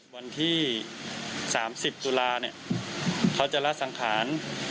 วันที่สามสิบตุลาเนี้ยเขาจะละสังขาร